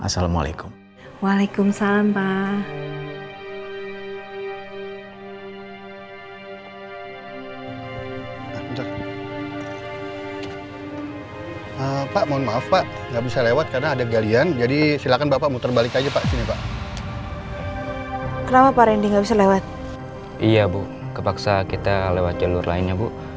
sampai jumpa di video selanjutnya